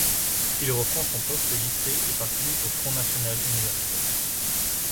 Il reprend son poste au lycée et participe au Front national universitaire.